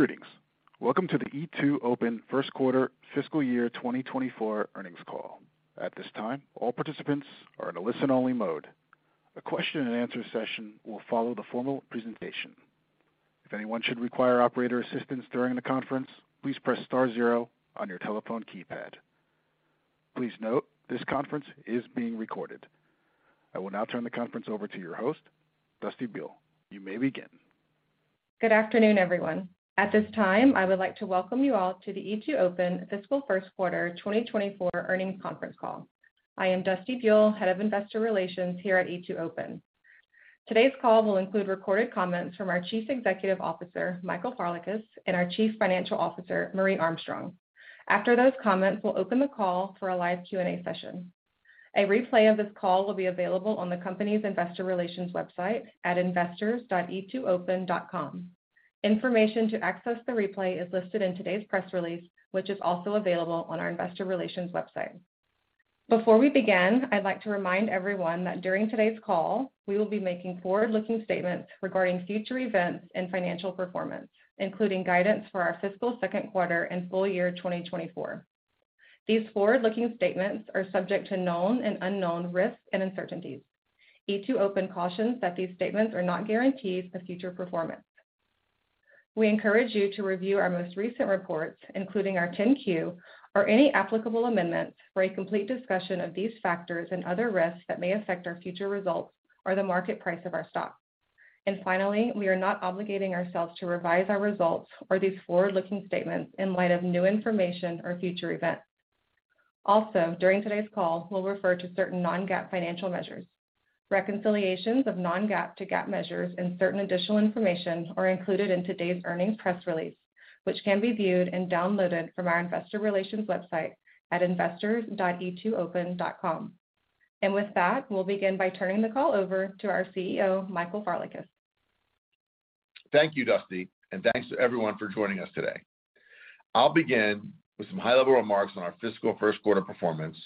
Greetings. Welcome to the E2open First Quarter Fiscal Year 2024 Earnings Call. At this time, all participants are in a listen-only mode. A question and answer session will follow the formal presentation. If anyone should require operator assistance during the conference, please press star zero on your telephone keypad. Please note, this conference is being recorded. I will now turn the conference over to your host, Dusty Buell. You may begin. Good afternoon, everyone. At this time, I would like to welcome you all to the E2open Fiscal First Quarter 2024 Earnings Conference Call. I am Dusty Buell, Head of Investor Relations here at E2open. Today's call will include recorded comments from our Chief Executive Officer, Michael Farlekas, and our Chief Financial Officer, Marje Armstrong. After those comments, we'll open the call for a live Q&A session. A replay of this call will be available on the company's investor relations website at investors.E2open.com. Information to access the replay is listed in today's press release, which is also available on our investor relations website. Before we begin, I'd like to remind everyone that during today's call, we will be making forward-looking statements regarding future events and financial performance, including guidance for our fiscal second quarter and full year 2024. These forward-looking statements are subject to known and unknown risks and uncertainties. E2open cautions that these statements are not guarantees of future performance. We encourage you to review our most recent reports, including our 10-Q or any applicable amendments, for a complete discussion of these factors and other risks that may affect our future results or the market price of our stock. Finally, we are not obligating ourselves to revise our results or these forward-looking statements in light of new information or future events. Also, during today's call, we'll refer to certain non-GAAP financial measures. Reconciliations of non-GAAP to GAAP measures and certain additional information are included in today's earnings press release, which can be viewed and downloaded from our investor relations website at investors.E2open.com. With that, we'll begin by turning the call over to our CEO, Michael Farlekas. Thank you, Dusty. Thanks to everyone for joining us today. I'll begin with some high-level remarks on our fiscal first quarter performance,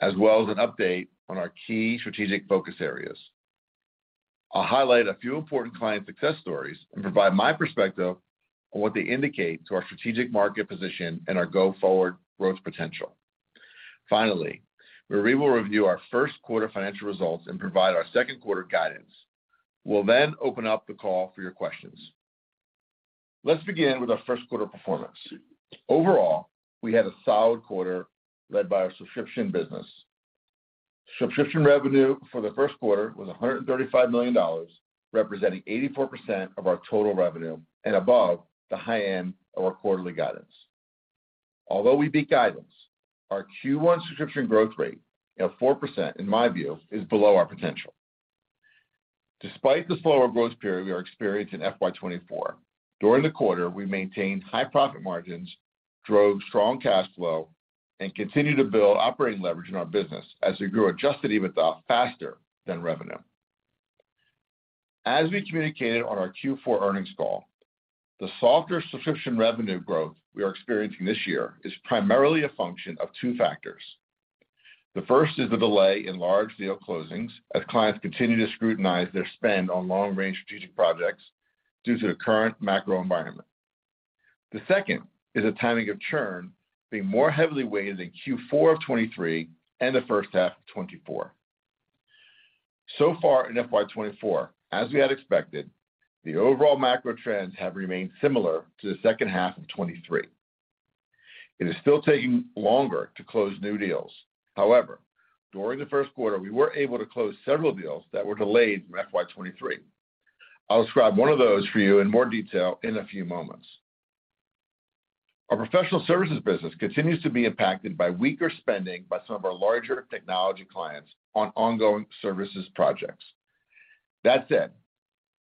as well as an update on our key strategic focus areas. I'll highlight a few important client success stories and provide my perspective on what they indicate to our strategic market position and our go-forward growth potential. Finally, Marje will review our first quarter financial results and provide our second quarter guidance. We'll open up the call for your questions. Let's begin with our first quarter performance. Overall, we had a solid quarter led by our subscription business. Subscription revenue for the first quarter was $135 million, representing 84% of our total revenue and above the high end of our quarterly guidance. Although we beat guidance, our Q1 subscription growth rate of 4%, in my view, is below our potential. Despite the slower growth period we are experiencing in FY 2024, during the quarter, we maintained high profit margins, drove strong cash flow, and continued to build operating leverage in our business as we grew Adjusted EBITDA faster than revenue. As we communicated on our Q4 earnings call, the softer subscription revenue growth we are experiencing this year is primarily a function of two factors. The first is the delay in large deal closings as clients continue to scrutinize their spend on long-range strategic projects due to the current macro environment. The second is the timing of churn being more heavily weighted in Q4 of 2023 and the first half of 2024. So far in FY 2024, as we had expected, the overall macro trends have remained similar to the second half of 2023. It is still taking longer to close new deals. However, during the first quarter, we were able to close several deals that were delayed in FY 2023. I'll describe one of those for you in more detail in a few moments. Our professional services business continues to be impacted by weaker spending by some of our larger technology clients on ongoing services projects. That said,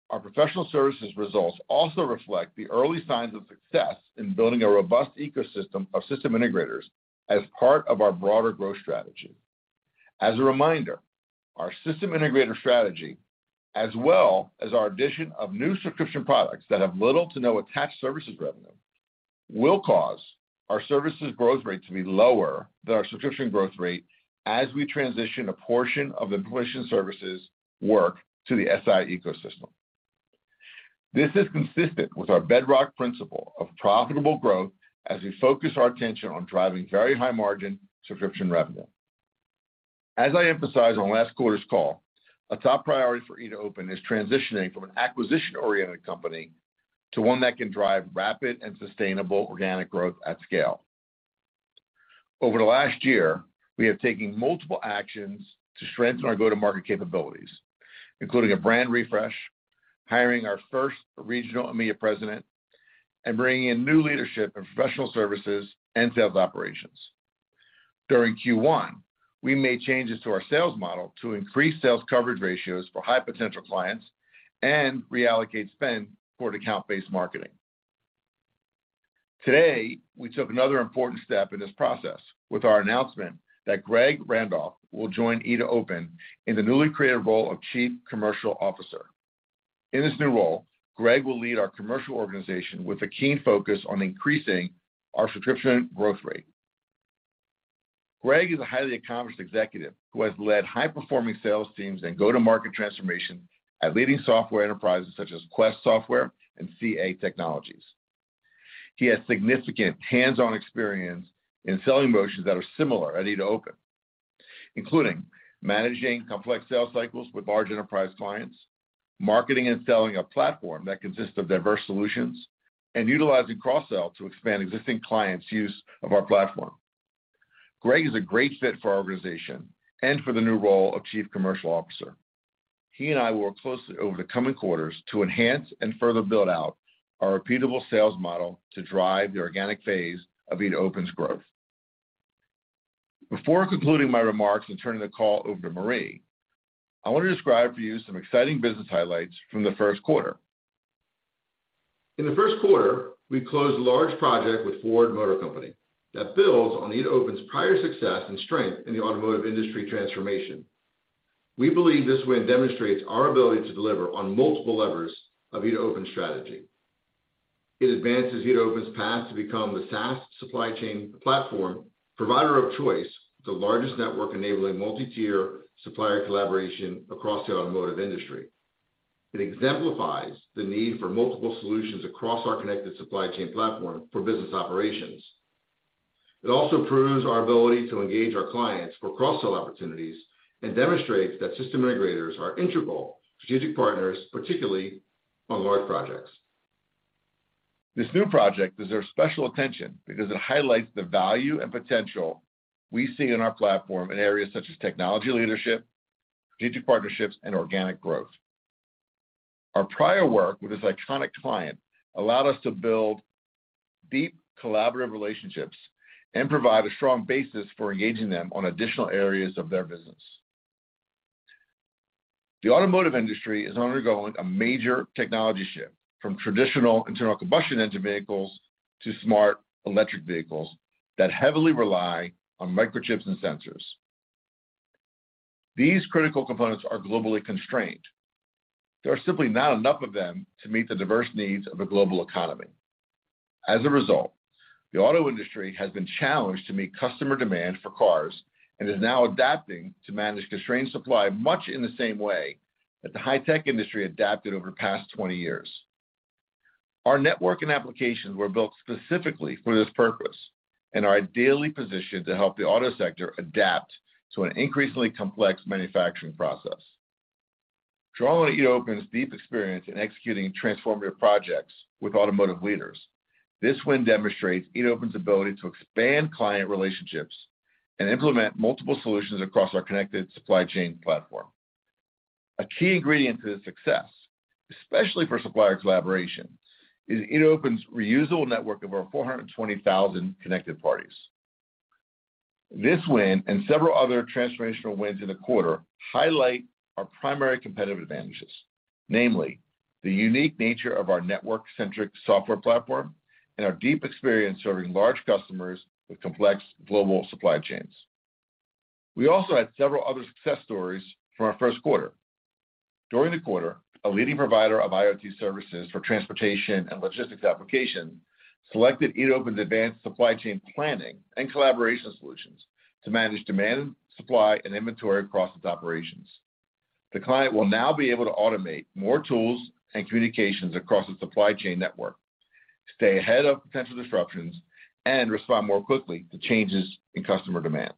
our professional services results also reflect the early signs of success in building a robust ecosystem of system integrators as part of our broader growth strategy. As a reminder, our system integrator strategy, as well as our addition of new subscription products that have little to no attached services revenue, will cause our services growth rate to be lower than our subscription growth rate as we transition a portion of the implementation services work to the SI ecosystem. This is consistent with our bedrock principle of profitable growth as we focus our attention on driving very high-margin subscription revenue. As I emphasized on last quarter's call, a top priority for E2open is transitioning from an acquisition-oriented company to one that can drive rapid and sustainable organic growth at scale. Over the last year, we have taken multiple actions to strengthen our go-to-market capabilities, including a brand refresh, hiring our first regional EMEA president, and bringing in new leadership in professional services and sales operations. During Q1, we made changes to our sales model to increase sales coverage ratios for high-potential clients and reallocate spend toward account-based marketing. Today, we took another important step in this process with our announcement that Greg Randolph will join E2open in the newly created role of Chief Commercial Officer. In this new role, Greg will lead our commercial organization with a keen focus on increasing our subscription growth rate. Greg is a highly accomplished executive who has led high-performing sales teams and go-to-market transformation at leading software enterprises such as Quest Software and CA Technologies. He has significant hands-on experience in selling motions that are similar at E2open, including managing complex sales cycles with large enterprise clients, marketing and selling a platform that consists of diverse solutions, and utilizing cross-sell to expand existing clients' use of our platform. Greg is a great fit for our organization and for the new role of Chief Commercial Officer. He and I will work closely over the coming quarters to enhance and further build out our repeatable sales model to drive the organic phase of E2open's growth. Before concluding my remarks and turning the call over to Marje, I want to describe for you some exciting business highlights from the first quarter. In the first quarter, we closed a large project with Ford Motor Company that builds on E2open's prior success and strength in the automotive industry transformation. We believe this win demonstrates our ability to deliver on multiple levers of E2open strategy. It advances E2open's path to become the SaaS supply chain platform provider of choice, the largest network enabling multi-tier supplier collaboration across the automotive industry. It exemplifies the need for multiple solutions across our connected supply chain platform for business operations. It also proves our ability to engage our clients for cross-sell opportunities and demonstrates that system integrators are integral strategic partners, particularly on large projects. This new project deserves special attention because it highlights the value and potential we see in our platform in areas such as technology leadership, strategic partnerships, and organic growth. Our prior work with this iconic client allowed us to build deep, collaborative relationships and provide a strong basis for engaging them on additional areas of their business. The automotive industry is undergoing a major technology shift from traditional internal combustion engine vehicles to smart electric vehicles that heavily rely on microchips and sensors. These critical components are globally constrained. There are simply not enough of them to meet the diverse needs of a global economy. As a result, the auto industry has been challenged to meet customer demand for cars and is now adapting to manage constrained supply, much in the same way that the high-tech industry adapted over the past 20 years. Our network and applications were built specifically for this purpose and are ideally positioned to help the auto sector adapt to an increasingly complex manufacturing process. Drawing on E2open's deep experience in executing transformative projects with automotive leaders, this win demonstrates E2open's ability to expand client relationships and implement multiple solutions across our connected supply chain platform. A key ingredient to this success, especially for supplier collaboration, is E2open's reusable network of over 420,000 connected parties. This win and several other transformational wins in the quarter highlight our primary competitive advantages, namely, the unique nature of our network-centric software platform and our deep experience serving large customers with complex global supply chains. We also had several other success stories from our first quarter. During the quarter, a leading provider of IoT services for transportation and logistics applications selected E2open's advanced supply chain planning and collaboration solutions to manage demand, supply, and inventory across its operations. The client will now be able to automate more tools and communications across its supply chain network, stay ahead of potential disruptions, and respond more quickly to changes in customer demand.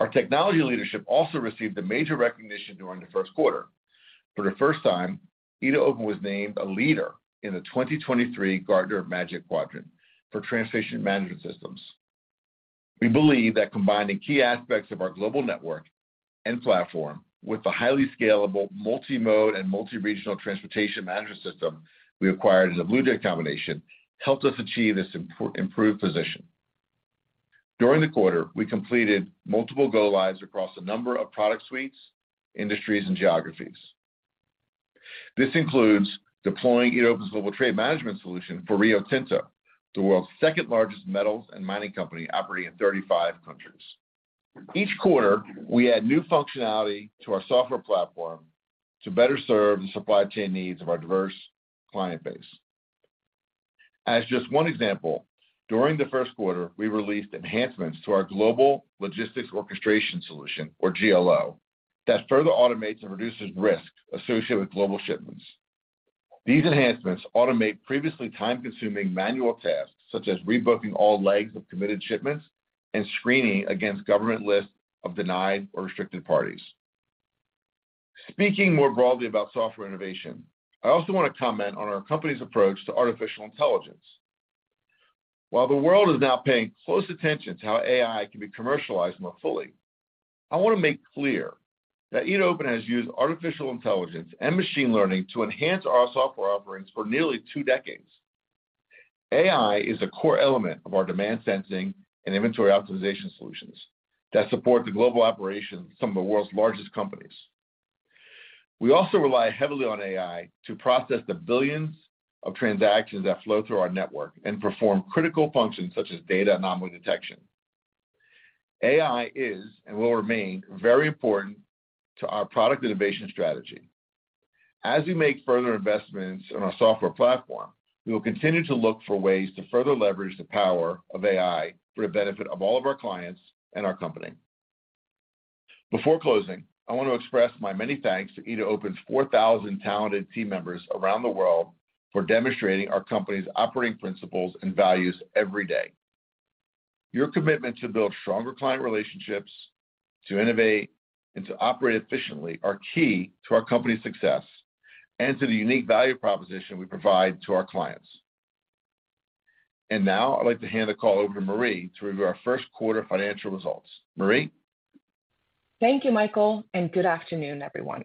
Our technology leadership also received a major recognition during the first quarter. For the first time, E2open was named a leader in the 2023 Gartner Magic Quadrant for Transportation Management Systems. We believe that combining key aspects of our global network and platform, with the highly scalable, multi-mode, and multi-regional transportation management system we acquired as a BluJay combination, helped us achieve this improved position. During the quarter, we completed multiple go-lives across a number of product suites, industries, and geographies. This includes deploying E2open's Global Trade Management solution for Rio Tinto, the world's second-largest metals and mining company, operating in 35 countries. Each quarter, we add new functionality to our software platform to better serve the supply chain needs of our diverse client base. As just one example, during the first quarter, we released enhancements to our Global Logistics Orchestration solution, or GLO, that further automates and reduces risks associated with global shipments. These enhancements automate previously time-consuming manual tasks, such as rebooking all legs of committed shipments and screening against government lists of denied or restricted parties. Speaking more broadly about software innovation, I also want to comment on our company's approach to artificial intelligence. While the world is now paying close attention to how AI can be commercialized more fully, I want to make clear that E2open has used artificial intelligence and machine learning to enhance our software offerings for nearly two decades. AI is a core element of our Demand Sensing and inventory optimization solutions that support the global operations of some of the world's largest companies. We also rely heavily on AI to process the billions of transactions that flow through our network and perform critical functions such as data anomaly detection. AI is, and will remain, very important to our product innovation strategy. As we make further investments in our software platform, we will continue to look for ways to further leverage the power of AI for the benefit of all of our clients and our company. Before closing, I want to express my many thanks to E2open's 4,000 talented team members around the world for demonstrating our company's operating principles and values every day. Your commitment to build stronger client relationships, to innovate, and to operate efficiently are key to our company's success and to the unique value proposition we provide to our clients. Now, I'd like to hand the call over to Marje to review our first quarter financial results. Marje? Thank you, Michael. Good afternoon, everyone.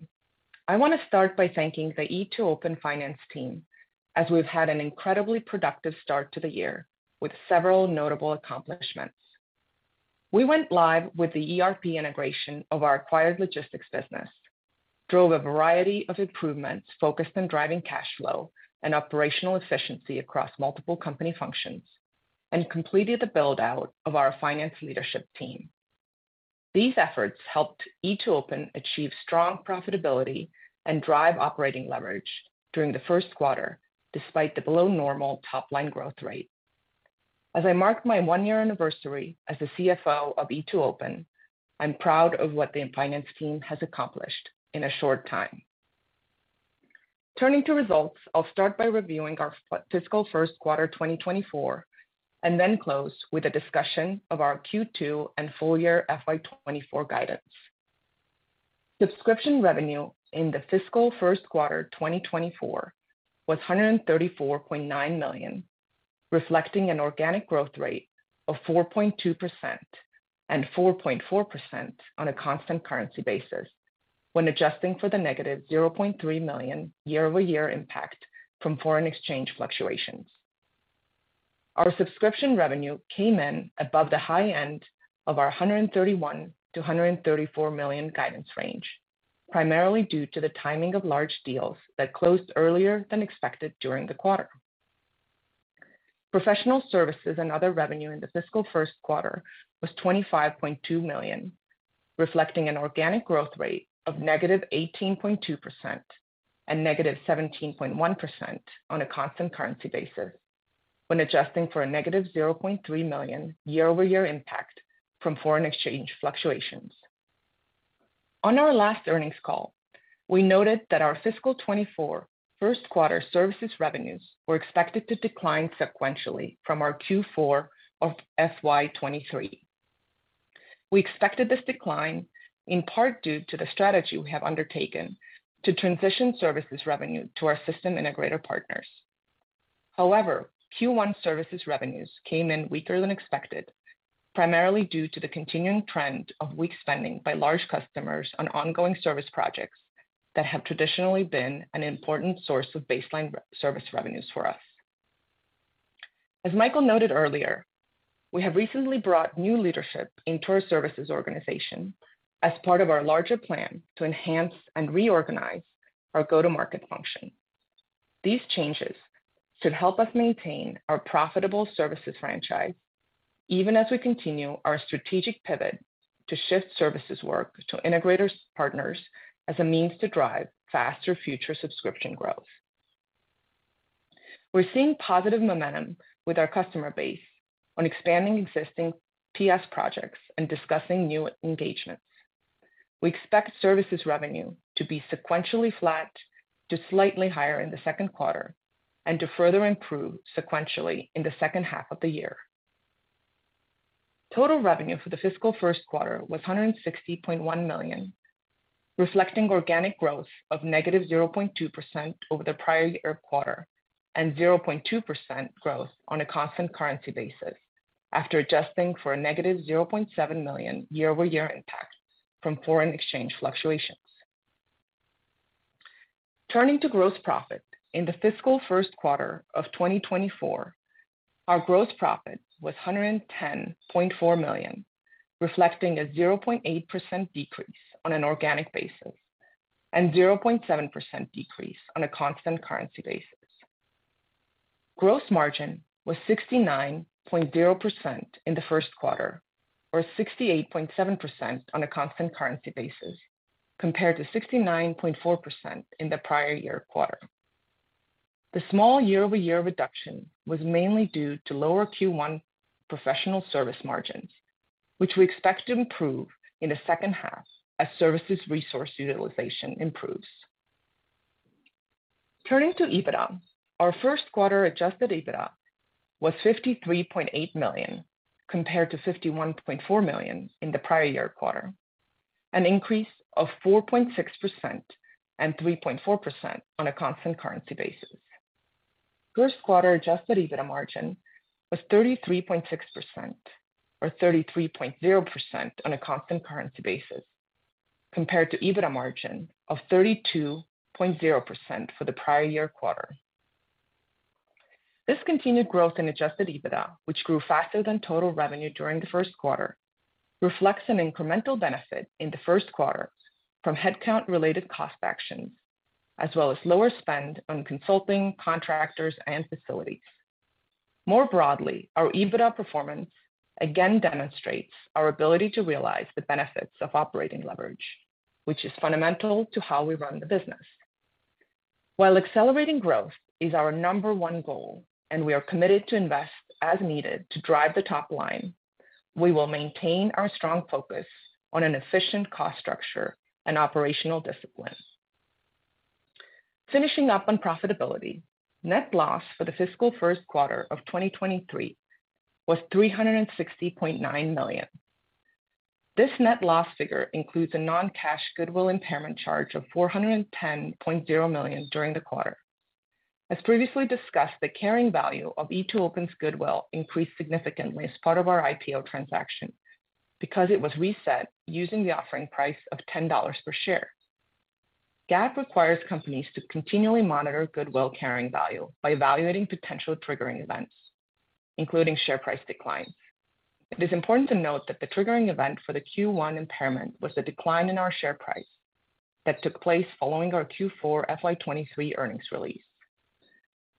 I want to start by thanking the E2open finance team, as we've had an incredibly productive start to the year, with several notable accomplishments. We went live with the ERP integration of our acquired logistics business, drove a variety of improvements focused on driving cash flow and operational efficiency across multiple company functions, completed the build-out of our finance leadership team. These efforts helped E2open achieve strong profitability and drive operating leverage during the first quarter, despite the below normal top-line growth rate. As I mark my one-year anniversary as the CFO of E2open, I'm proud of what the finance team has accomplished in a short time. Turning to results, I'll start by reviewing our fiscal first quarter 2024, then close with a discussion of our Q2 and full year FY 2024 guidance. Subscription revenue in the fiscal first quarter 2024 was $134.9 million, reflecting an organic growth rate of 4.2%, and 4.4% on a constant currency basis, when adjusting for the -$0.3 million year-over-year impact from foreign exchange fluctuations. Our subscription revenue came in above the high end of our $131 million-$134 million guidance range, primarily due to the timing of large deals that closed earlier than expected during the quarter. Professional services and other revenue in the fiscal first quarter was $25.2 million, reflecting an organic growth rate of -18.2% and -17.1% on a constant currency basis, when adjusting for a -$0.3 million year-over-year impact from foreign exchange fluctuations. On our last earnings call, we noted that our fiscal 2024 first quarter services revenues were expected to decline sequentially from our Q4 of FY2023. We expected this decline in part due to the strategy we have undertaken to transition services revenue to our system integrator partners. However, Q1 services revenues came in weaker than expected, primarily due to the continuing trend of weak spending by large customers on ongoing service projects that have traditionally been an important source of baseline service revenues for us. As Michael noted earlier, we have recently brought new leadership into our services organization as part of our larger plan to enhance and reorganize our go-to-market function. These changes should help us maintain our profitable services franchise, even as we continue our strategic pivot to shift services work to integrators partners as a means to drive faster future subscription growth. We're seeing positive momentum with our customer base on expanding existing PS projects and discussing new engagements. We expect services revenue to be sequentially flat to slightly higher in the second quarter and to further improve sequentially in the second half of the year. Total revenue for the fiscal first quarter was $160.1 million, reflecting organic growth of -0.2% over the prior year quarter, and 0.2% growth on a constant currency basis, after adjusting for a -$0.7 million year-over-year impact from foreign exchange fluctuations. Turning to gross profit, in the fiscal first quarter of 2024, our gross profit was $110.4 million, reflecting a 0.8% decrease on an organic basis and 0.7% decrease on a constant currency basis. Gross margin was 69.0% in the first quarter, or 68.7% on a constant currency basis, compared to 69.4% in the prior year quarter. The small year-over-year reduction was mainly due to lower Q1 professional service margins, which we expect to improve in the second half as services resource utilization improves. Turning to EBITDA, our first quarter Adjusted EBITDA was $53.8 million, compared to $51.4 million in the prior year quarter, an increase of 4.6% and 3.4% on a constant currency basis. First quarter Adjusted EBITDA margin was 33.6%, or 33.0% on a constant currency basis, compared to EBITDA margin of 32.0% for the prior year quarter. This continued growth in Adjusted EBITDA, which grew faster than total revenue during the first quarter, reflects an incremental benefit in the first quarter from headcount-related cost actions, as well as lower spend on consulting, contractors, and facilities. More broadly, our EBITDA performance again demonstrates our ability to realize the benefits of operating leverage, which is fundamental to how we run the business. While accelerating growth is our number one goal, and we are committed to invest as needed to drive the top line, we will maintain our strong focus on an efficient cost structure and operational discipline. Finishing up on profitability, net loss for the fiscal first quarter of 2023 was $360.9 million. This net loss figure includes a non-cash goodwill impairment charge of $410.0 million during the quarter. As previously discussed, the carrying value of E2open's goodwill increased significantly as part of our IPO transaction because it was reset using the offering price of $10 per share. GAAP requires companies to continually monitor goodwill carrying value by evaluating potential triggering events, including share price decline. It is important to note that the triggering event for the Q1 impairment was the decline in our share price that took place following our Q4 FY23 earnings release.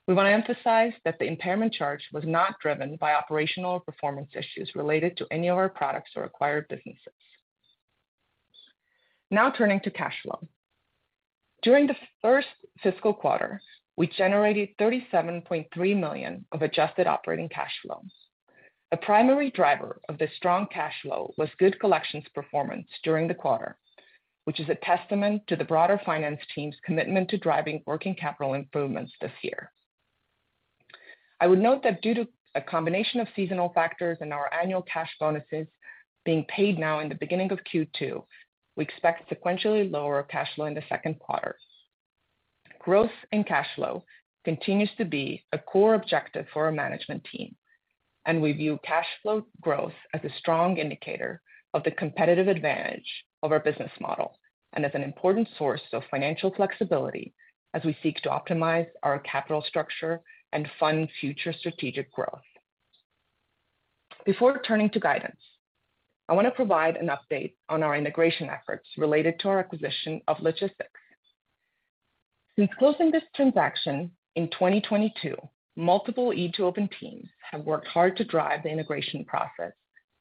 We want to emphasize that the impairment charge was not driven by operational or performance issues related to any of our products or acquired businesses. Turning to cash flow. During the first fiscal quarter, we generated $37.3 million of adjusted operating cash flows. The primary driver of this strong cash flow was good collections performance during the quarter, which is a testament to the broader finance team's commitment to driving working capital improvements this year. I would note that due to a combination of seasonal factors and our annual cash bonuses being paid now in the beginning of Q2, we expect sequentially lower cash flow in the second quarter. Growth in cash flow continues to be a core objective for our management team, and we view cash flow growth as a strong indicator of the competitive advantage of our business model and as an important source of financial flexibility as we seek to optimize our capital structure and fund future strategic growth. Before turning to guidance, I want to provide an update on our integration efforts related to our acquisition of Logistyx. Since closing this transaction in 2022, multiple E2open teams have worked hard to drive the integration process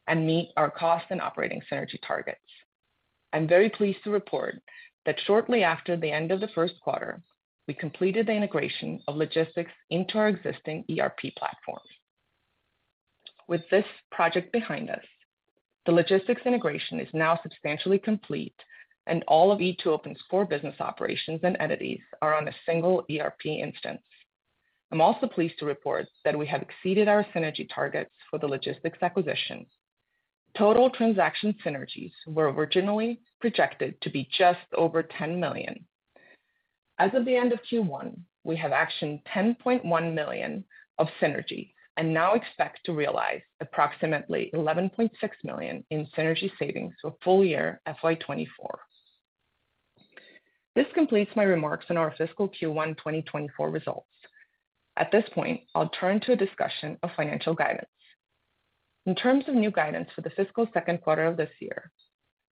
and meet our cost and operating synergy targets. I'm very pleased to report that shortly after the end of the first quarter, we completed the integration of Logistyx into our existing ERP platform. With this project behind us, the logistics integration is now substantially complete, and all of E2open's core business operations and entities are on a single ERP instance. I'm also pleased to report that we have exceeded our synergy targets for the logistics acquisition. Total transaction synergies were originally projected to be just over $10 million. As of the end of Q1, we have actioned $10.1 million of synergy and now expect to realize approximately $11.6 million in synergy savings for full year FY 2024. This completes my remarks on our fiscal Q1 2024 results. At this point, I'll turn to a discussion of financial guidance. In terms of new guidance for the fiscal second quarter of this year,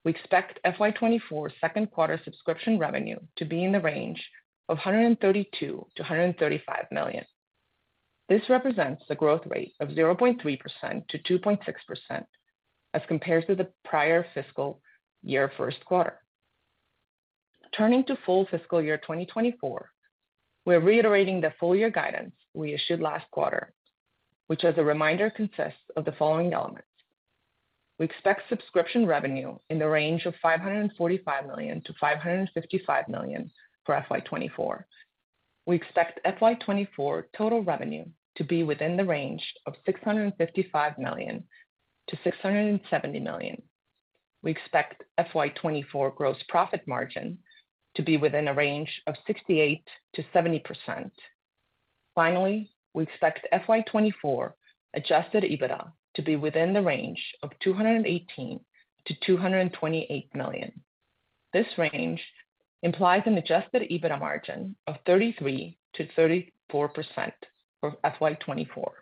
we expect FY24 second quarter subscription revenue to be in the range of $132 million-$135 million. This represents a growth rate of 0.3%-2.6% as compared to the prior fiscal year first quarter. Turning to full fiscal year 2024, we're reiterating the full year guidance we issued last quarter, which, as a reminder, consists of the following elements. We expect subscription revenue in the range of $545 million-$555 million for FY24. We expect FY24 total revenue to be within the range of $655 million-$670 million. We expect FY 2024 gross profit margin to be within a range of 68%-70%. We expect FY 2024 Adjusted EBITDA to be within the range of $218 million-$228 million. This range implies an Adjusted EBITDA margin of 33%-34% for FY 2024.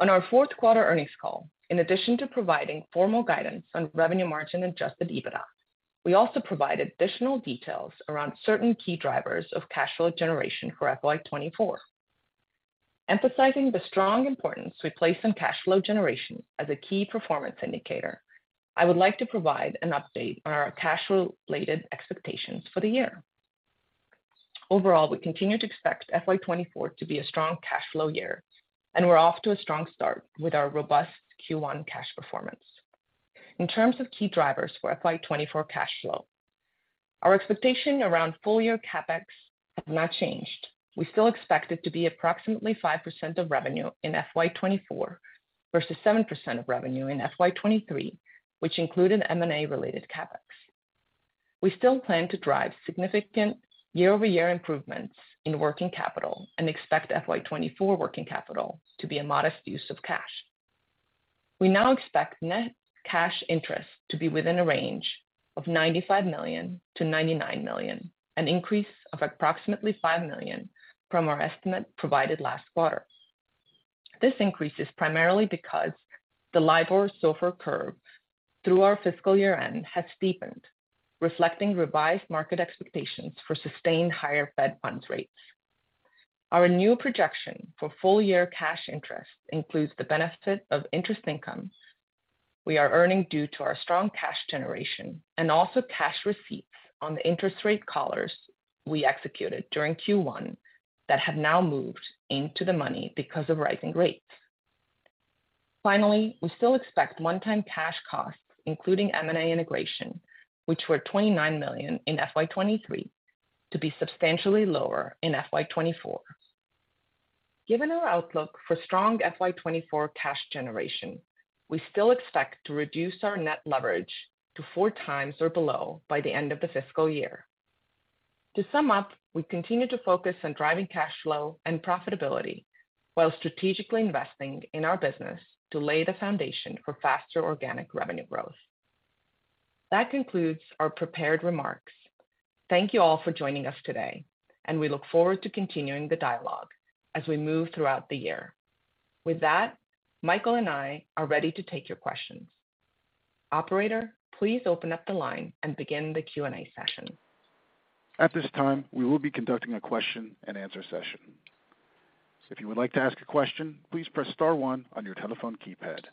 On our fourth quarter earnings call, in addition to providing formal guidance on revenue margin and Adjusted EBITDA, we also provided additional details around certain key drivers of cash flow generation for FY 2024. Emphasizing the strong importance we place on cash flow generation as a key performance indicator, I would like to provide an update on our cash flow-related expectations for the year. We continue to expect FY 2024 to be a strong cash flow year, and we're off to a strong start with our robust Q1 cash performance. In terms of key drivers for FY 2024 cash flow, our expectation around full year CapEx have not changed. We still expect it to be approximately 5% of revenue in FY 2024 versus 7% of revenue in FY 2023, which included M&A-related CapEx. We still plan to drive significant year-over-year improvements in working capital and expect FY 2024 working capital to be a modest use of cash. We now expect net cash interest to be within a range of $95 million-$99 million, an increase of approximately $5 million from our estimate provided last quarter. This increase is primarily because the LIBOR SOFR curve through our fiscal year-end has steepened, reflecting revised market expectations for sustained higher Fed funds rates. Our new projection for full-year cash interest includes the benefit of interest incomes we are earning due to our strong cash generation, and also cash receipts on the interest rate collars we executed during Q1 that have now moved into the money because of rising rates. We still expect one-time cash costs, including M&A integration, which were $29 million in FY 2023, to be substantially lower in FY 2024. Given our outlook for strong FY 2024 cash generation, we still expect to reduce our net leverage to 4x or below by the end of the fiscal year. To sum up, we continue to focus on driving cash flow and profitability, while strategically investing in our business to lay the foundation for faster organic revenue growth. That concludes our prepared remarks. Thank you all for joining us today. We look forward to continuing the dialogue as we move throughout the year. With that, Michael and I are ready to take your questions. Operator, please open up the line and begin the Q&A session. At this time, we will be conducting a question-and-answer session. If you would like to ask a question, please press star one on your telephone keypad.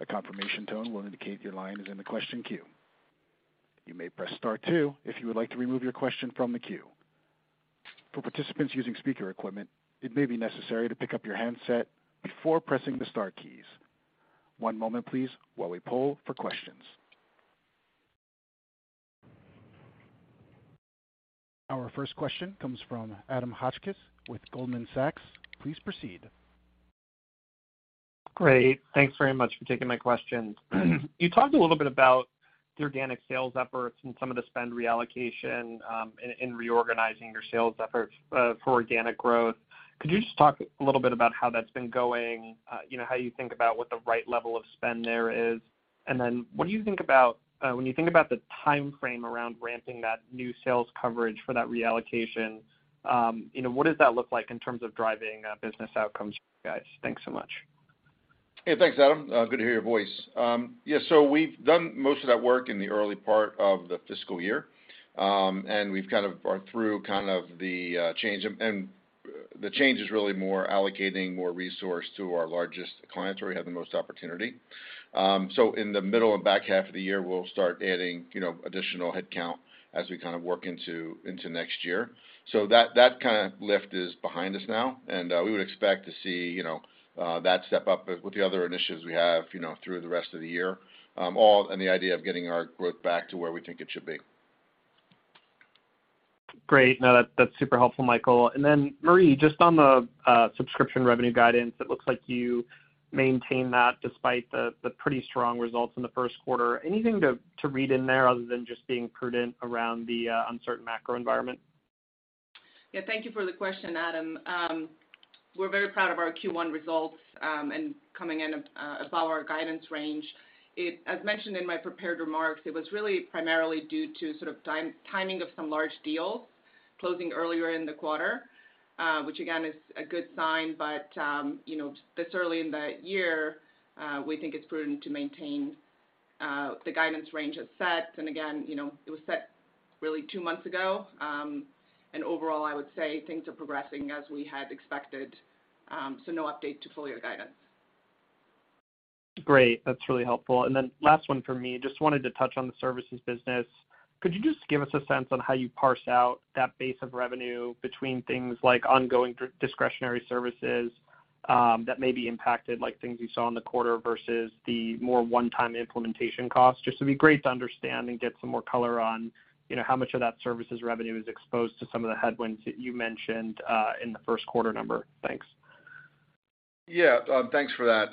A confirmation tone will indicate your line is in the question queue. You may press star two if you would like to remove your question from the queue. For participants using speaker equipment, it may be necessary to pick up your handset before pressing the star keys. One moment please, while we poll for questions. Our first question comes from Adam Hotchkiss with Goldman Sachs. Please proceed. Great. Thanks very much for taking my question. You talked a little bit about the organic sales efforts and some of the spend reallocation, in reorganizing your sales efforts, for organic growth. Could you just talk a little bit about how that's been going? You know, how you think about what the right level of spend there is? What do you think about, when you think about the timeframe around ramping that new sales coverage for that reallocation, you know, what does that look like in terms of driving, business outcomes for you guys? Thanks so much. Hey, thanks, Adam. Good to hear your voice. Yeah, we've done most of that work in the early part of the fiscal year. We've kind of are through kind of the change. The change is really more allocating more resource to our largest clients, where we have the most opportunity. In the middle and back half of the year, we'll start adding, you know, additional headcount as we kind of work into next year. That kind of lift is behind us now, we would expect to see, you know, that step up with the other initiatives we have, you know, through the rest of the year, all, the idea of getting our growth back to where we think it should be. Great. No, that's super helpful, Michael. Then, Marje, just on the subscription revenue guidance, it looks like you maintained that despite the pretty strong results in the first quarter. Anything to read in there other than just being prudent around the uncertain macro environment? Yeah, thank you for the question, Adam. We're very proud of our Q1 results and coming in above our guidance range. As mentioned in my prepared remarks, it was really primarily due to sort of timing of some large deals closing earlier in the quarter, which again, is a good sign, but, you know, this early in the year, we think it's prudent to maintain the guidance range as set. Again, you know, it was set really two months ago. Overall, I would say things are progressing as we had expected, no update to full-year guidance. Great. That's really helpful. Last one for me, just wanted to touch on the services business. Could you just give us a sense on how you parse out that base of revenue between things like ongoing discretionary services that may be impacted, like things you saw in the quarter, versus the more one-time implementation costs? Just it'd be great to understand and get some more color on, you know, how much of that services revenue is exposed to some of the headwinds that you mentioned in the first quarter number. Thanks. Yeah, thanks for that.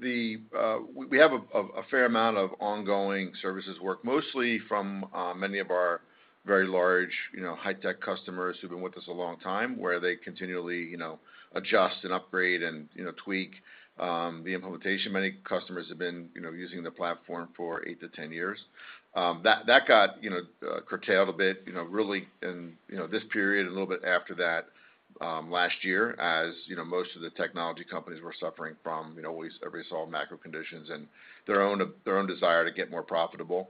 We have a fair amount of ongoing services work, mostly from many of our very large, you know, high-tech customers who've been with us a long time, where they continually, you know, adjust and upgrade and, you know, tweak the implementation. Many customers have been, you know, using the platform for 8 to 10 years. That got, you know, curtailed a bit, really in, you know, this period and a little bit after that, last year, as you know, most of the technology companies were suffering from, you know, everybody saw macro conditions and their own desire to get more profitable.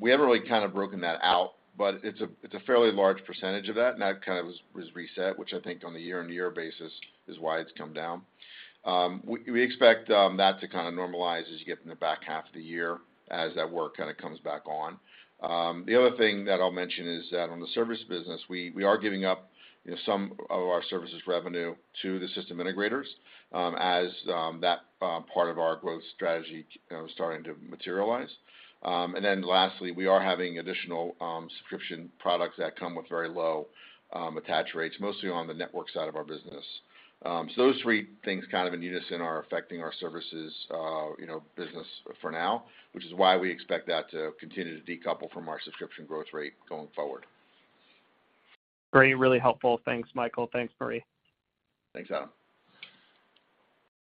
We haven't really kind of broken that out, but it's a, it's a fairly large percentage of that, and that kind of reset, which I think on a year-on-year basis is why it's come down. We expect that to kind of normalize as you get in the back half of the year, as that work kind of comes back on. The other thing that I'll mention is that on the service business, we are giving up, you know, some of our services revenue to the system integrators, as that part of our growth strategy, you know, starting to materialize. Lastly, we are having additional subscription products that come with very low attach rates, mostly on the network side of our business. Those three things kind of in unison are affecting our services, you know, business for now, which is why we expect that to continue to decouple from our subscription growth rate going forward. Great. Really helpful. Thanks, Michael. Thanks, Marje. Thanks, Adam.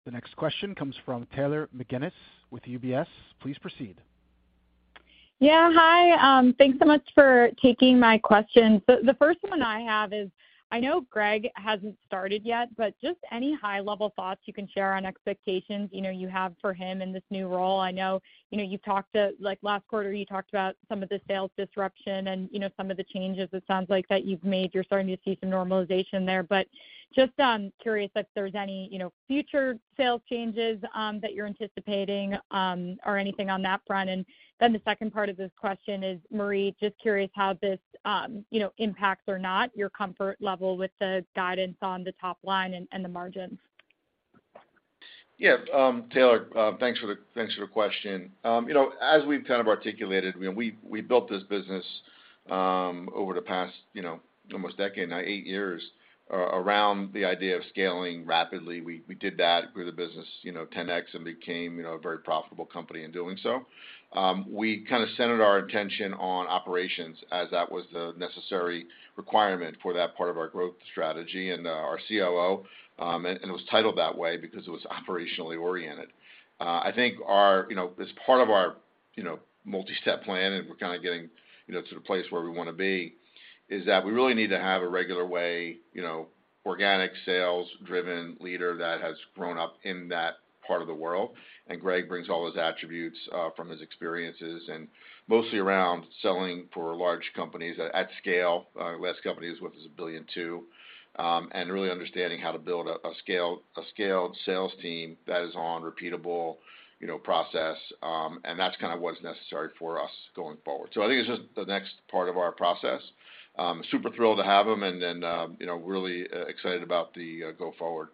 The next question comes from Taylor McGinnis with UBS. Please proceed. Yeah, hi, thanks so much for taking my question. The first one I have is, I know Greg hasn't started yet, but just any high-level thoughts you can share on expectations, you know, you have for him in this new role? I know, you know, last quarter, you talked about some of the sales disruption and, you know, some of the changes it sounds like that you've made. You're starting to see some normalization there. Just curious if there's any, you know, future sales changes that you're anticipating or anything on that front. The second part of this question is, Marje, just curious how this, you know, impacts or not your comfort level with the guidance on the top line and the margins. Taylor, thanks for the question. You know, as we've kind of articulated, you know, we built this business over the past, you know, almost decade, now, eight years, around the idea of scaling rapidly. We did that, grew the business, you know, 10x, and became, you know, a very profitable company in doing so. We kind of centered our attention on operations, as that was the necessary requirement for that part of our growth strategy and our COO, and it was titled that way because it was operationally oriented. I think our, you know, as part of our, you know, multi-step plan, and we're kind of getting, you know, to the place where we want to be, is that we really need to have a regular way, you know, organic, sales-driven leader that has grown up in that part of the world. Greg brings all his attributes from his experiences and mostly around selling for large companies at scale. Last company is worth $1.2 billion and really understanding how to build a scaled sales team that is on repeatable, you know, process. That's kind of what's necessary for us going forward. Super thrilled to have him, then, you know, really excited about the go forward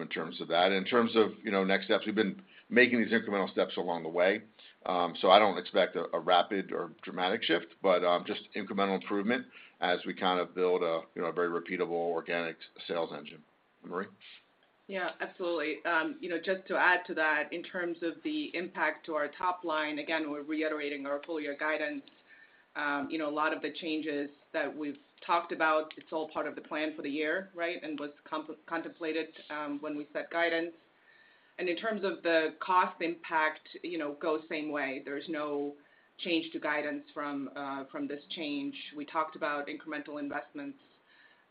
in terms of that. In terms of, you know, next steps, we've been making these incremental steps along the way. I don't expect a rapid or dramatic shift, but, just incremental improvement as we kind of build a, you know, a very repeatable organic sales engine. Marje? Yeah, absolutely. You know, just to add to that, in terms of the impact to our top line, again, we're reiterating our full year guidance. You know, a lot of the changes that we've talked about, it's all part of the plan for the year, right? Was contemplated when we set guidance. In terms of the cost impact, you know, goes same way. There's no change to guidance from this change. We talked about incremental investments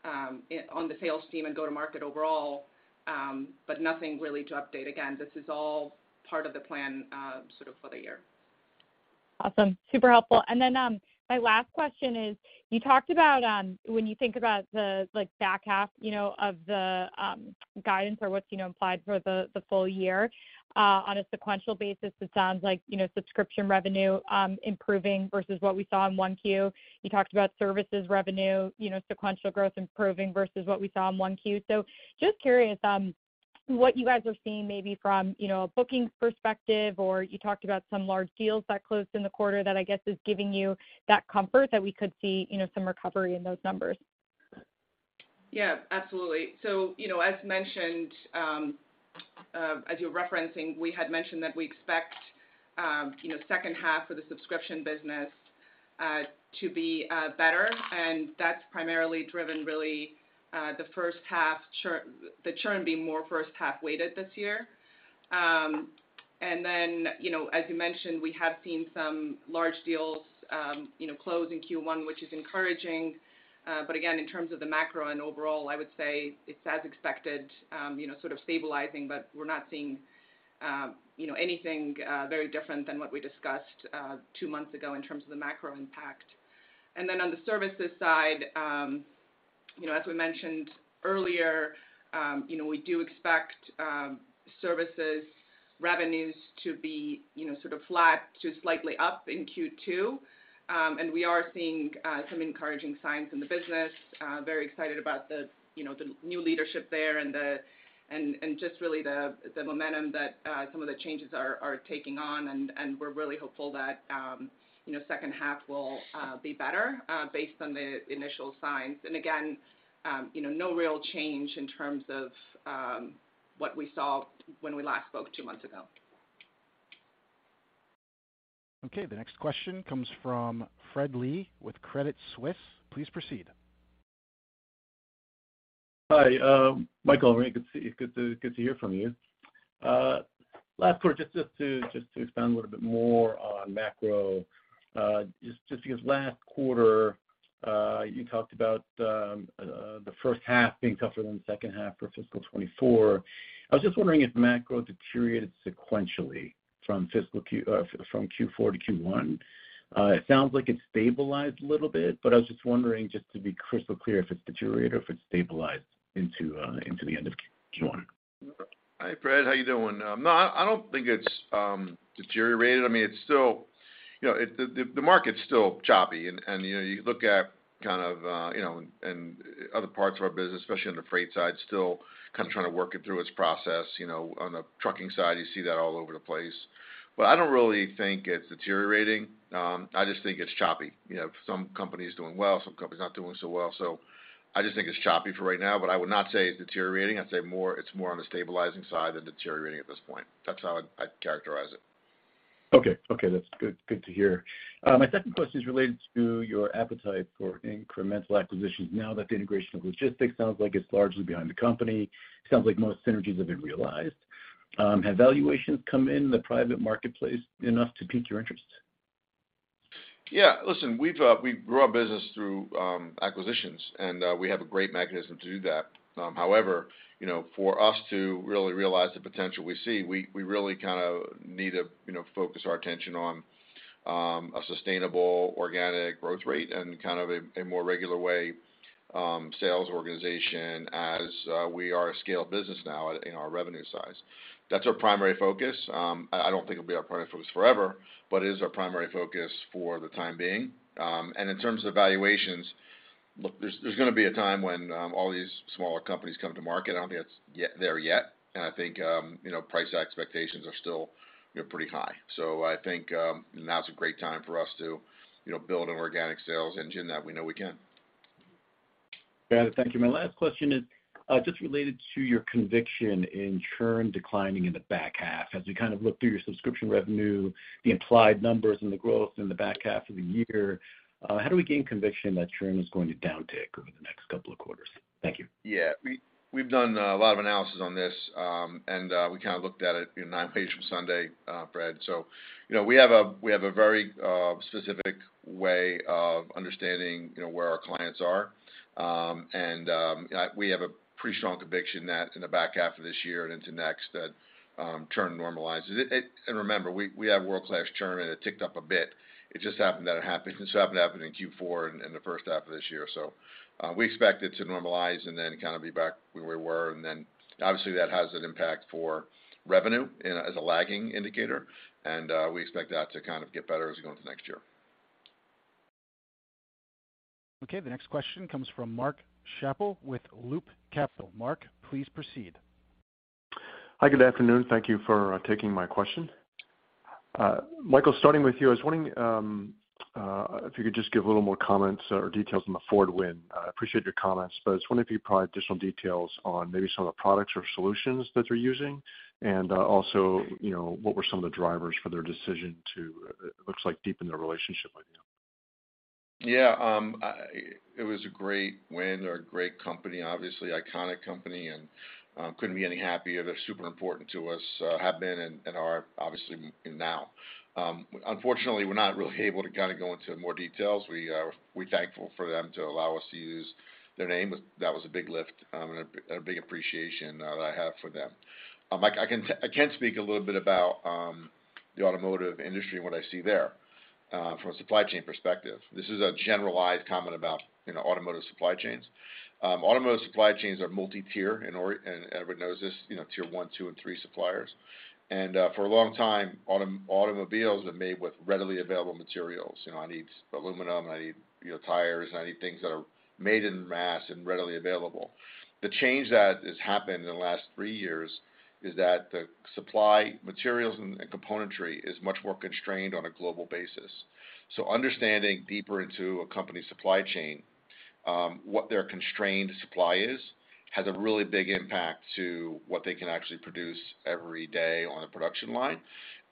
on the sales team and go-to-market overall, but nothing really to update. Again, this is all part of the plan sort of for the year. Awesome. Super helpful. Then, my last question is, you talked about, when you think about the, like, back half, you know, of the guidance or what's, you know, implied for the full year, on a sequential basis, it sounds like, you know, subscription revenue, improving versus what we saw in 1Q. You talked about services revenue, you know, sequential growth improving versus what we saw in 1Q. Just curious, what you guys are seeing maybe from, you know, a bookings perspective, or you talked about some large deals that closed in the quarter that I guess is giving you that comfort that we could see, you know, some recovery in those numbers? Absolutely. You know, as mentioned, as you're referencing, we had mentioned that we expect, you know, second half of the subscription business to be better, and that's primarily driven really, the first half churn being more first half weighted this year. Then, you know, as you mentioned, we have seen some large deals, you know, close in Q1, which is encouraging. Again, in terms of the macro and overall, I would say it's as expected, you know, sort of stabilizing, but we're not seeing, you know, anything very different than what we discussed, two months ago in terms of the macro impact. On the services side, as we mentioned earlier, we do expect services revenues to be sort of flat to slightly up in Q2. We are seeing some encouraging signs in the business. Very excited about the new leadership there and just really the momentum that some of the changes are taking on, and we're really hopeful that second half will be better based on the initial signs. No real change in terms of what we saw when we last spoke two months ago. Okay, the next question comes from Fred Lee with Credit Suisse. Please proceed. Hi, Michael, good to hear from you. last quarter, just to expand a little bit more on macro, just because last quarter, you talked about the first half being tougher than the second half for fiscal 2024. I was just wondering if macro deteriorated sequentially from fiscal Q from Q4-Q1? It sounds like it stabilized a little bit, but I was just wondering, just to be crystal clear, if it's deteriorated or if it's stabilized into the end of Q1. Hi, Fred. How you doing? No, I don't think it's deteriorated. I mean, it's still, you know, the market's still choppy, and, you know, you look at kind of, you know, and other parts of our business, especially on the freight side, still kind of trying to work it through its process. You know, on the trucking side, you see that all over the place. I don't really think it's deteriorating, I just think it's choppy. You know, some companies doing well, some companies not doing so well. I just think it's choppy for right now, but I would not say it's deteriorating. I'd say more, it's more on the stabilizing side than deteriorating at this point. That's how I'd characterize it. Okay, that's good to hear. My second question is related to your appetite for incremental acquisitions. Now that the integration of Logistyx sounds like it's largely behind the company, sounds like most synergies have been realized. Have valuations come in the private marketplace enough to pique your interest? Listen, we've we grew our business through acquisitions, and we have a great mechanism to do that. However, you know, for us to really realize the potential we see, we really kind of need to, you know, focus our attention on a sustainable organic growth rate and kind of a more regular way sales organization as we are a scale business now in our revenue size. That's our primary focus. I don't think it'll be our primary focus forever, but it is our primary focus for the time being. And in terms of valuations, look, there's there's gonna be a time when all these smaller companies come to market. I don't think it's there yet, and I think, you know, price expectations are still, you know, pretty high. I think, now's a great time for us to, you know, build an organic sales engine that we know we can. Got it. Thank you. My last question is, just related to your conviction in churn declining in the back half. As we kind of look through your subscription revenue, the implied numbers and the growth in the back half of the year, how do we gain conviction that churn is going to downtick over the next couple of quarters? Thank you. Yeah. We've done a lot of analysis on this, and we kind of looked at it, you know, nine pages from Sunday, Fred. You know, we have a very specific way of understanding, you know, where our clients are. And we have a pretty strong conviction that in the back half of this year and into next, that churn normalizes. It and remember, we have world-class churn, and it ticked up a bit. It just happened that it happened, just happened to happen in Q4 and the first half of this year. We expect it to normalize and then kind of be back where we were. obviously, that has an impact for revenue, and as a lagging indicator, and we expect that to kind of get better as we go into next year. Okay, the next question comes from Mark Schappel with Loop Capital. Mark, please proceed. Hi, good afternoon. Thank you for taking my question. Michael, starting with you, I was wondering, if you could just give a little more comments or details on the Ford win? I appreciate your comments, but I was wondering if you could provide additional details on maybe some of the products or solutions that they're using? Also, you know, what were some of the drivers for their decision to, it looks like, deepen the relationship with you? Yeah, it was a great win. They're a great company, obviously iconic company, and couldn't be any happier. They're super important to us, have been and are obviously now. Unfortunately, we're not really able to kind of go into more details. We're thankful for them to allow us to use their name. That was a big lift, and a big appreciation that I have for them. I can speak a little bit about the automotive industry and what I see there, from a supply chain perspective. This is a generalized comment about, you know, automotive supply chains. Automotive supply chains are multi-tier, and everyone knows this, you know, tier one, two, and three suppliers. For a long time, automobiles were made with readily available materials. You know, I need aluminum, I need, you know, tires, I need things that are made in mass and readily available. The change that has happened in the last three years is that the supply materials and componentry is much more constrained on a global basis. Understanding deeper into a company's supply chain, what their constrained supply is, has a really big impact to what they can actually produce every day on a production line.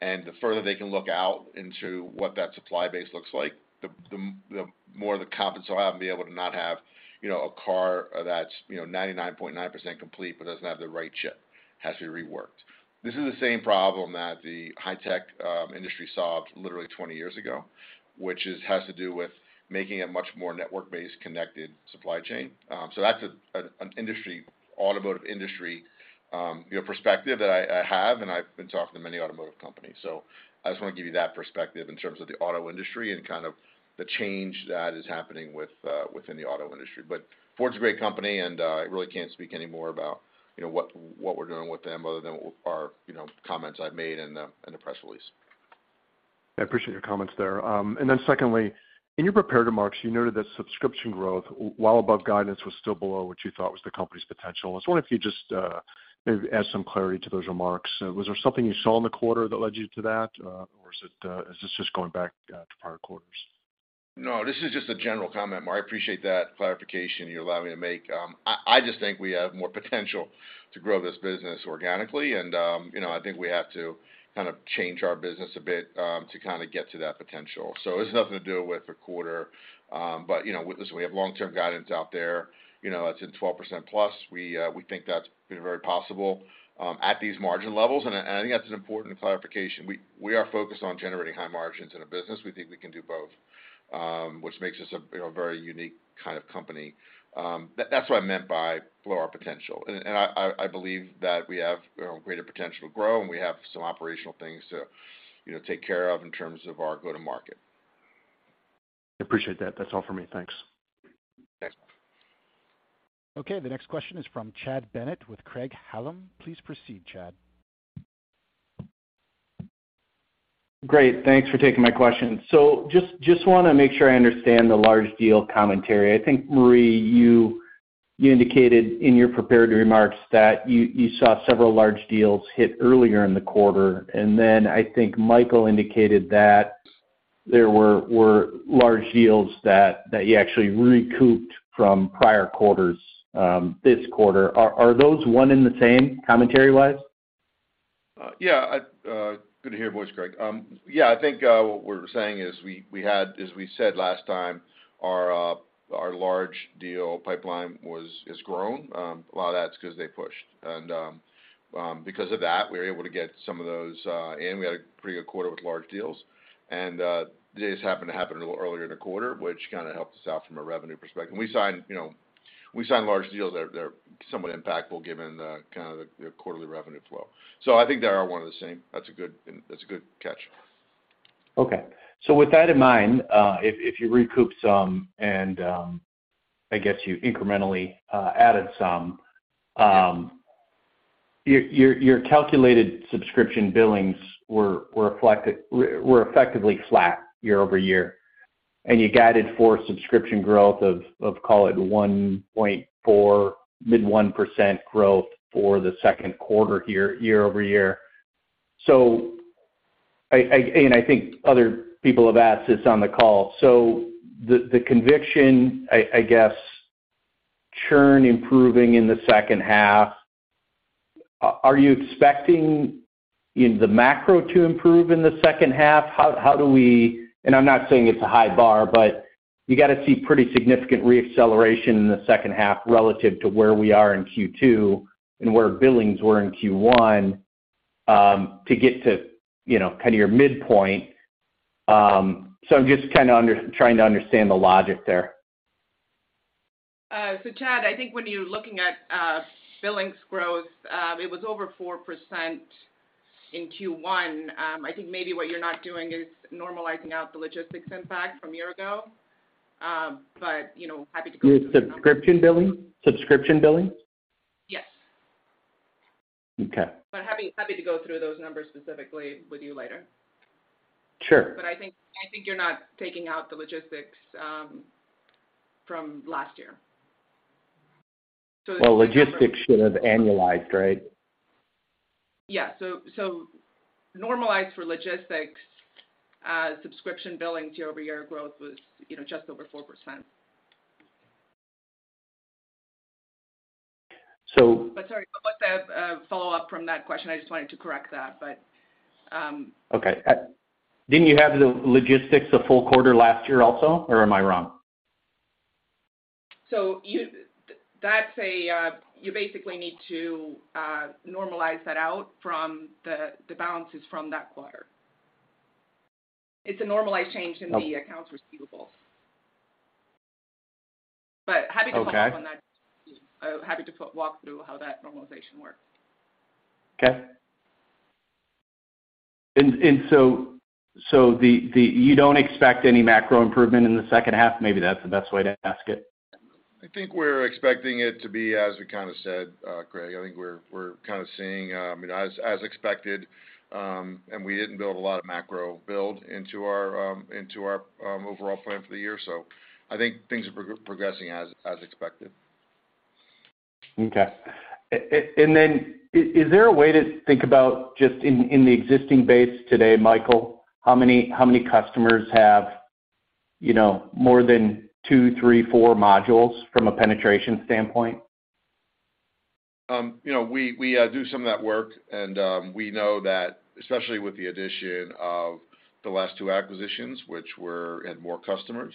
The further they can look out into what that supply base looks like, the more the confidence they'll have to be able to not have, you know, a car that's, you know, 99.9% complete, but doesn't have the right chip, has to be reworked. This is the same problem that the high tech industry solved literally 20 years ago, which has to do with making a much more network-based, connected supply chain. That's an industry, automotive industry, you know, perspective that I have, and I've been talking to many automotive companies. I just want to give you that perspective in terms of the auto industry and kind of the change that is happening within the auto industry. Ford's a great company, and I really can't speak any more about, you know, what we're doing with them other than what our, you know, comments I've made in the press release. I appreciate your comments there. Secondly, in your prepared remarks, you noted that subscription growth, while above guidance, was still below what you thought was the company's potential. I was wondering if you just maybe add some clarity to those remarks. Was there something you saw in the quarter that led you to that, or is it, is this just going back to prior quarters? No, this is just a general comment, Mark. I appreciate that clarification you allow me to make. I just think we have more potential to grow this business organically, and, you know, I think we have to kind of change our business a bit, to kind of get to that potential. It's nothing to do with the quarter. You know, listen, we have long-term guidance out there, you know, that's in 12% plus. We think that's very possible, at these margin levels, and I, and I think that's an important clarification. We, we are focused on generating high margins in a business. We think we can do both, which makes us a, you know, very unique kind of company. That's what I meant by below our potential. I believe that we have, you know, greater potential to grow, and we have some operational things to, you know, take care of in terms of our go-to-market. I appreciate that. That's all for me. Thanks. Thanks. Okay, the next question is from Chad Bennett with Craig-Hallum. Please proceed, Chad. Great, thanks for taking my question. Just wanna make sure I understand the large deal commentary. I think, Marje, you indicated in your prepared remarks that you saw several large deals hit earlier in the quarter, and then I think Michael indicated that there were large deals that you actually recouped from prior quarters this quarter. Are those one and the same, commentary-wise? Yeah, I, good to hear your voice, Greg. Yeah, I think what we're saying is, we had, as we said last time, our large deal pipeline is grown. A lot of that's because they pushed. Because of that, we were able to get some of those in. We had a pretty good quarter with large deals, and they just happened to happen a little earlier in the quarter, which kind of helped us out from a revenue perspective. We signed, you know, we signed large deals that are, they're somewhat impactful given the kind of the quarterly revenue flow. I think they are one and the same. That's a good catch. Okay. With that in mind, if you recoup some and I guess you incrementally added some, your calculated subscription billings were effectively flat year-over-year, and you guided for subscription growth of, call it 1.4, mid 1% growth for the second quarter here, year-over-year. I, and I think other people have asked this on the call. The conviction, I guess, churn improving in the second half, are you expecting, you know, the macro to improve in the second half? How do we... I'm not saying it's a high bar, but you got to see pretty significant reacceleration in the second half relative to where we are in Q2 and where billings were in Q1, to get to, you know, kind of your midpoint. I'm just kind of trying to understand the logic there. Chad, I think when you're looking at billings growth, it was over 4% in Q1. I think maybe what you're not doing is normalizing out the logistics impact from a year ago. you know, happy to go through. Subscription billing? Subscription billing. Yes. Okay. Happy to go through those numbers specifically with you later. Sure. I think you're not taking out the logistics from last year. Well, logistics should have annualized, right? Normalized for logistics, subscription billings year-over-year growth was, you know, just over 4%. So- Sorry, what was the follow-up from that question? I just wanted to correct that, but. Okay. Didn't you have the logistics a full quarter last year also, or am I wrong? That's a, you basically need to normalize that out from the balances from that quarter. It's a normalized change in the accounts receivable. Okay. Happy to walk through on that. Happy to walk through how that normalization works. Okay. You don't expect any macro improvement in the second half? Maybe that's the best way to ask it. I think we're expecting it to be, as we kind of said, Greg, I think we're kind of seeing, as expected. We didn't build a lot of macro build into our overall plan for the year. I think things are progressing as expected. Okay. Is there a way to think about just in the existing base today, Michael, how many customers have, you know, more than two, three, four modules from a penetration standpoint? You know, we do some of that work. We know that especially with the addition of the last two acquisitions, which had more customers.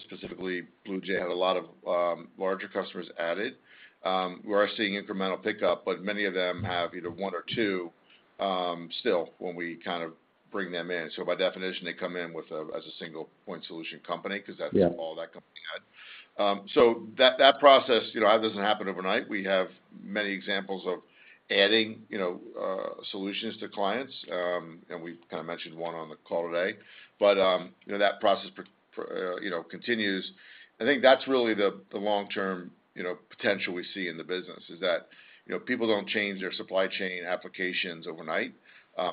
Specifically, BluJay had a lot of larger customers added. We are seeing incremental pickup, but many of them have either one or two still, when we kind of bring them in. By definition, they come in with a single point solution company, because that's. Yeah... all that company had. That, that process, you know, that doesn't happen overnight. We have many examples of adding, you know, solutions to clients, and we've kind of mentioned one on the call today. You know, that process continues. I think that's really the long-term, you know, potential we see in the business, is that, you know, people don't change their supply chain applications overnight.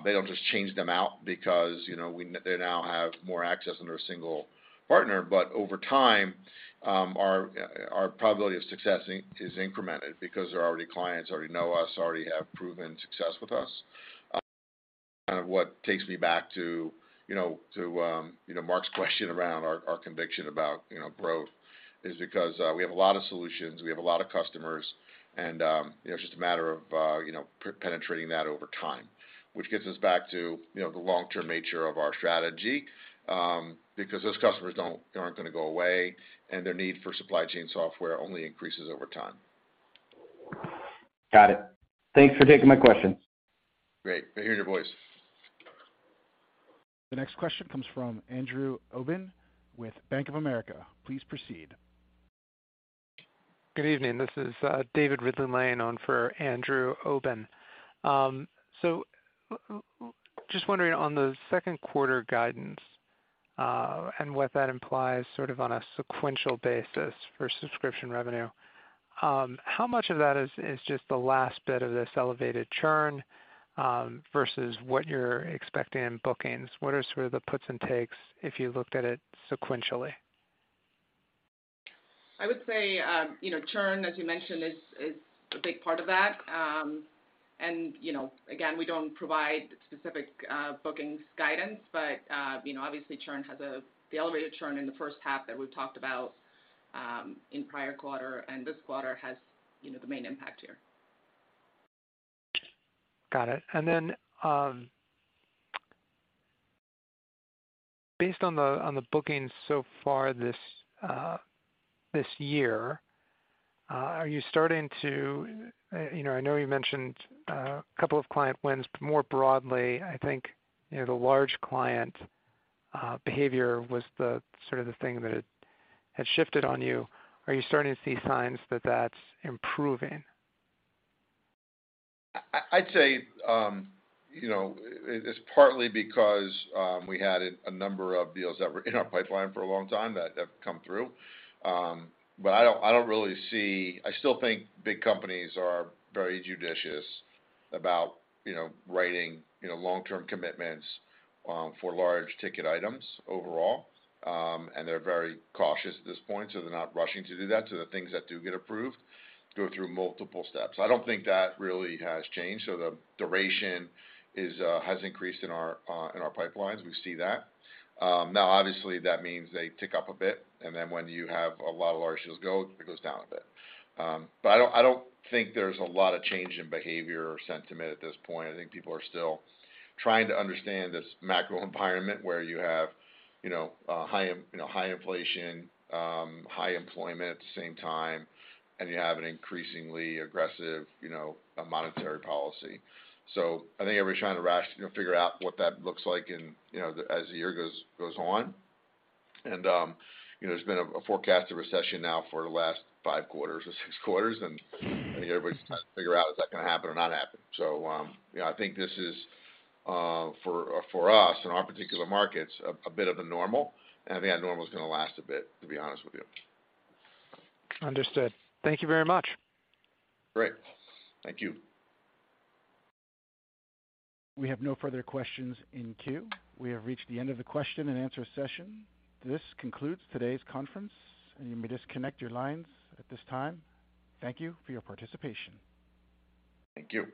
They don't just change them out because, you know, they now have more access under a single partner. Over time, our probability of success is incremented because they're already clients, already know us, already have proven success with us. kind of what takes me back to, you know, to, you know, Mark's question around our conviction about, you know, growth, is because we have a lot of solutions, we have a lot of customers, and, you know, it's just a matter of, you know, penetrating that over time. Which gets us back to, you know, the long-term nature of our strategy, because those customers aren't going to go away, and their need for supply chain software only increases over time. Got it. Thanks for taking my question. Great. Great hearing your voice. The next question comes from Andrew Obin, with Bank of America. Please proceed. Good evening. This is David Ridley-Lane, on for Andrew Obin. Just wondering on the second quarter guidance, and what that implies sort of on a sequential basis for subscription revenue, how much of that is just the last bit of this elevated churn, versus what you're expecting in bookings? What are sort of the puts and takes if you looked at it sequentially? I would say, you know, churn, as you mentioned, is a big part of that. You know, again, we don't provide specific bookings guidance, but, you know, obviously, churn the elevated churn in the first half that we've talked about in prior quarter, and this quarter has, you know, the main impact here. Got it. Based on the, on the bookings so far this year, are you starting to you know, I know you mentioned a couple of client wins, but more broadly, I think, you know, the large client behavior was the sort of the thing that had shifted on you. Are you starting to see signs that that's improving? I'd say, you know, it's partly because we had a number of deals that were in our pipeline for a long time that have come through. I don't really see. I still think big companies are very judicious about, you know, writing, you know, long-term commitments for large ticket items overall. They're very cautious at this point, so they're not rushing to do that. The things that do get approved go through multiple steps. I don't think that really has changed, so the duration has increased in our pipelines. We see that. Obviously, that means they tick up a bit, and then when you have a lot of large deals go, it goes down a bit. I don't, I don't think there's a lot of change in behavior or sentiment at this point. I think people are still trying to understand this macro environment, where you have high inflation, high employment at the same time, and you have an increasingly aggressive monetary policy. I think everybody's trying to figure out what that looks like in the, as the year goes on. There's been a forecasted recession now for the last 5 quarters or 6 quarters, and I think everybody's trying to figure out, is that gonna happen or not happen? you know, I think this is for us, in our particular markets, a bit of a normal, and I think that normal is gonna last a bit, to be honest with you. Understood. Thank you very much. Great. Thank you. We have no further questions in queue. We have reached the end of the question and answer session. This concludes today's conference, and you may disconnect your lines at this time. Thank you for your participation. Thank you.